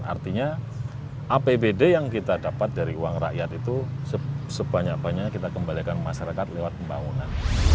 artinya apbd yang kita dapat dari uang rakyat itu sebanyak banyak kita kembalikan ke masyarakat lewat pembangunan